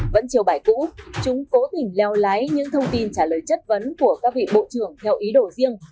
vẫn chiều bài cũ chúng cố tình leo lái những thông tin trả lời chất vấn của các vị bộ trưởng theo ý đồ riêng